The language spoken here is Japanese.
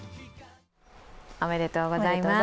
おめでとうございます。